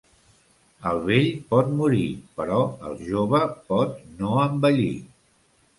El vell pot morir, però el jove pot no envellir.